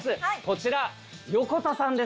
こちら横田さんです。